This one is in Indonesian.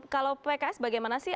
kalau pks bagaimana sih